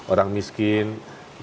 orang miskin nanti datang ke bandung